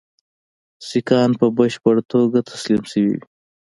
سیکهان په بشپړه توګه تسلیم شوي وي.